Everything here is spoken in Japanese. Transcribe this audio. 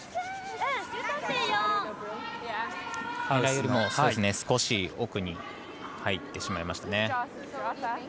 ハウスの少し奥に入ってしまいましたね。